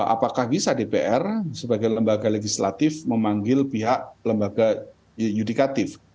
apakah bisa dpr sebagai lembaga legislatif memanggil pihak lembaga yudikatif